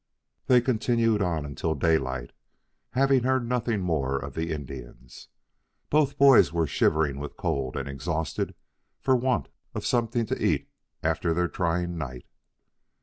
They continued on until daylight, having heard nothing more of the Indians. Both boys were shivering with cold and exhausted for want of something to eat after their trying night.